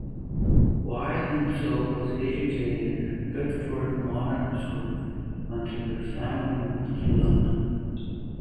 White himself was educated at Bedford Modern School until the family moved to London.